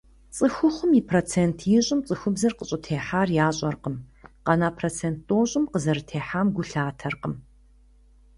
Цӏыхухъум и процент ищӏым цӏыхубзыр къыщӏытехьар ящӏэркъым, къэна процент тӏощӏым къызэрытехьам гу лъатэркъым.